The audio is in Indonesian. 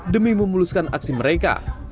demi memuluskan aksi mereka